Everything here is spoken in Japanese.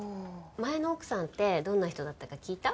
前の奥さんってどんな人だったか聞いた？